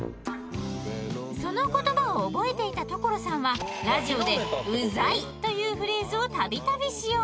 その言葉を覚えていた所さんはラジオで「ウザイ」というフレーズを度々使用。